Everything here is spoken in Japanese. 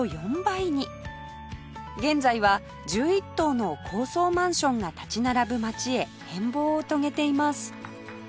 現在は１１棟の高層マンションが立ち並ぶ街へ変貌を遂げています